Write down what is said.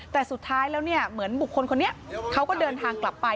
แต่สุดท้ายแล้วเนี่ยเหมือนบุคคลคนนี้เขาก็เดินทางกลับไป